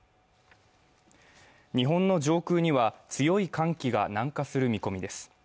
日本の上空には強い寒気が南下する見込みです。